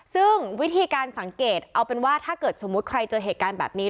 ซึ่งวิธีการสังเกตเอาเป็นว่าถ้าเกิดสมมุติใครเจอเหตุการณ์แบบนี้